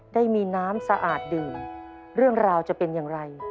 ได้มีน้ำสะอาดดื่มเรื่องราวจะเป็นอย่างไร